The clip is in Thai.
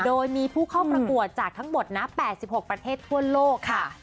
โดยมีผู้เข้าประกวดจากทั้งหมดนะ๘๖ประเทศทั่วโลกค่ะ